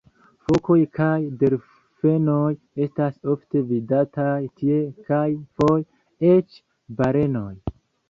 Fokoj kaj delfenoj estas ofte vidataj tie kaj foje eĉ balenoj.